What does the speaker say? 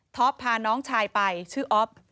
ท๊อปพาน้องชายไปชื่ออ๊อป